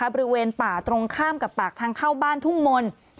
บริเวณป่าตรงข้ามกับปากทางเข้าบ้านทุ่งมนต์